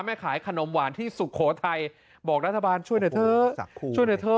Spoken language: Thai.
ไม่ขายขาวขนมหวานที่สุโขทัยบอกรัฐบาลช่วยเหนือเธอช่วยเหนือเธอ